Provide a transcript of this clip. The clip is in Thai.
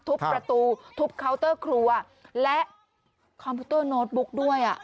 ทุบประตูทุบเคาน์เตอร์ครัวและคอมพิวเตอร์โน้ตบุ๊กด้วย